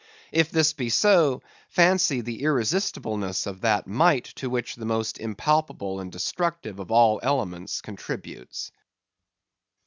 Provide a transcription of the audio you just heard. If this be so, fancy the irresistibleness of that might, to which the most impalpable and destructive of all elements contributes.